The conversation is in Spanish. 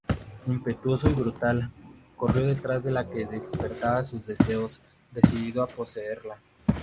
Impetuoso y brutal, corrió detrás de la que despertaba sus deseos, decidido a poseerla.